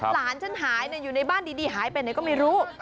หลานฉันหายอยู่ในบ้านดีหายไปไหนก็ไม่รู้